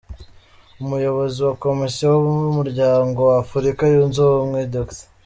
Umuyobozi wa Komisiyo y’Umuryango wa Afurika Yunze Ubumwe, Dr.